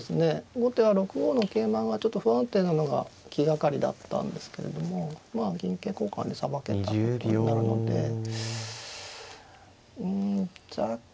後手は６五の桂馬がちょっと不安定なのが気がかりだったんですけれどもまあ銀桂交換でさばけたことになるのでうん若干。